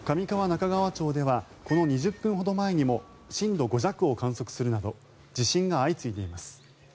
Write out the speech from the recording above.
中川町ではこの２０分ほど前にも震度５弱を観測するなど地震が相次いでいます。